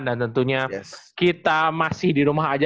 dan tentunya kita masih di rumah aja